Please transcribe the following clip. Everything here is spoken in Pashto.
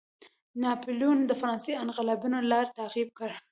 ناپلیون د فرانسې د انقلابینو لار تعقیب کړه.